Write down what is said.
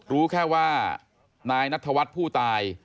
รู้แค่ว่านายนัทธวัฒน์ผู้ตาย